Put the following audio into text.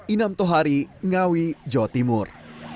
inam tohari ngawi jawa timur